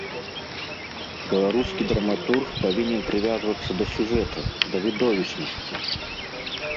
Беларускі драматург павінен прывязвацца да сюжэта, да відовішчнасці.